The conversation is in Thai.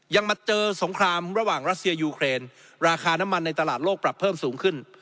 มาเจอสงครามระหว่างรัสเซียยูเครนราคาน้ำมันในตลาดโลกปรับเพิ่มสูงขึ้น